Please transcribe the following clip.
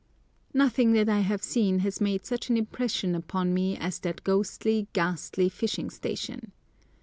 Nothing that I have seen has made such an impression upon me as that ghostly, ghastly fishing station.